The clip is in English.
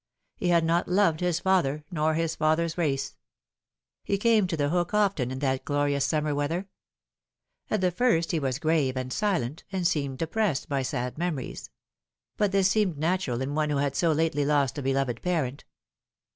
He had not loved his father nor his father's race. He came to The Hook often in that glorious summer weather. At the first he was grave and silent, and seemed oppressed by sad memories ; but this seemed natural in one who had so lately lost a beloved parent.